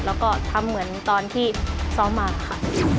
แล้วก็ทำเหมือนตอนที่ซ้อมมาค่ะ